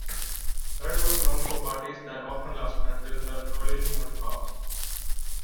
Red was known for parties that often lasted until the early morning hours.